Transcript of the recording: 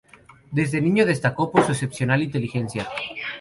Desde niño destacó por su excepcional inteligencia.